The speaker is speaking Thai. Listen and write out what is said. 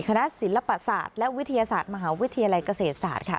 คณะศิลปศาสตร์และวิทยาศาสตร์มหาวิทยาลัยเกษตรศาสตร์ค่ะ